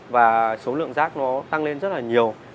và số lượng rác nó tăng lên rất là nhiều